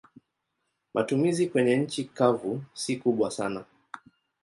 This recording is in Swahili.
Matumizi kwenye nchi kavu si kubwa sana.